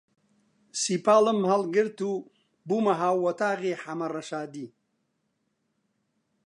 سیپاڵم هەڵگرت و بوومە هاووەتاغی حەمە ڕەشادی